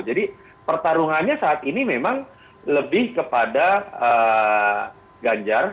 jadi pertarungannya saat ini memang lebih kepada ganjar